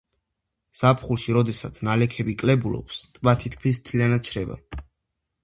ზაფხულში, როდესაც ნალექები კლებულობს ტბა თითქმის მთლიანად შრება.